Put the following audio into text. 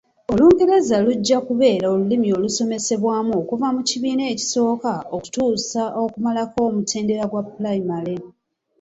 Olungereza lujja kubeera olulimi olusomesezebwamu okuva mu kibiina ekisooka okutuusa okumalako omutendera gwa pulayimale.